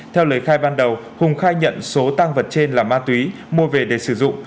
theo lời khai ban đầu hùng khai nhận số tang vật trên là ma túy mua về để sử dụng